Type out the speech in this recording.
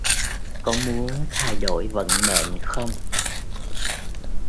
có muốn thay đổi vận mệnh không